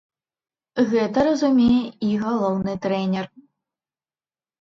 Гэта разумее і галоўны трэнер.